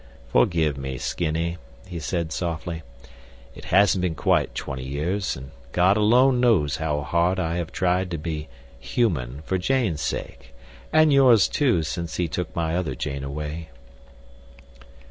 "Forgive me, Skinny," he said, softly. "It hasn't been quite twenty years, and God alone knows how hard I have tried to be 'human' for Jane's sake, and yours, too, since He took my other Jane away."